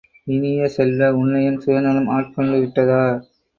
இனிய செல்வ, உன்னையும் சுயநலம் ஆட்கொண்டு விட்டதா?